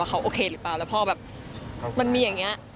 เขาโอเคหรือเปล่าแล้วพอแบบมันมีอย่างนี้